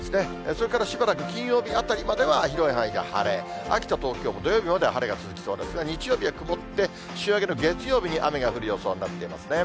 それからしばらく金曜日あたりまでは、広い範囲で晴れ、秋田、東京も土曜日まで晴れが続きそうですが、日曜日は曇って、週明けの月曜日に雨が降る予想になっていますね。